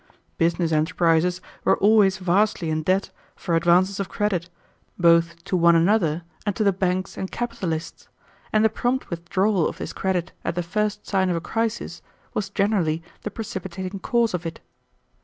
Business enterprises were always vastly in debt for advances of credit, both to one another and to the banks and capitalists, and the prompt withdrawal of this credit at the first sign of a crisis was generally the precipitating cause of it.